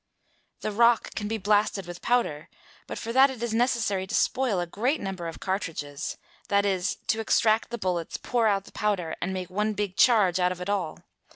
"The rock can be blasted with powder, but for that it is necessary to spoil a great number of cartridges; that is, to extract the bullets, pour out the powder, and make one big charge out of it all.